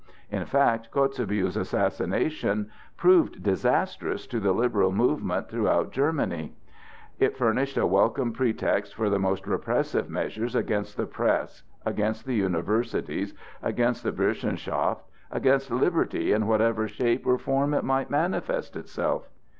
In fact, Kotzebue's assassination proved disastrous to the liberal movement throughout Germany; it furnished a welcome pretext for the most repressive measures against the press, against the universities, against the Burschenschaft, against liberty in whatever shape or form it might manifest itself.